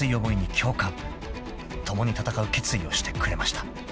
［共に戦う決意をしてくれました］